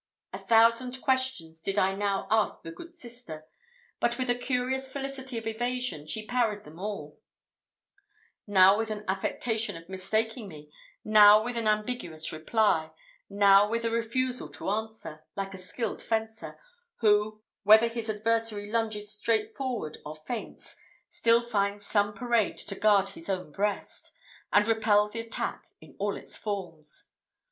A thousand questions did I now ask the good sister, but with a curious felicity of evasion she parried them all; now with an affectation of mistaking me, now with an ambiguous reply; now with a refusal to answer, like a skilful fencer, who, whether his adversary lunges straightforward or feints, still finds some parade to guard his own breast, and repel the attack in all its forms.